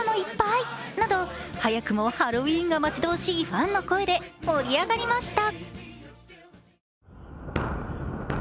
ＳＮＳでは、早くもハロウィーンが待ち遠しいファンの声で盛り上がりました。